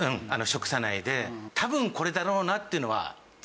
食さないで多分これだろうなっていうのは絶対ダメです。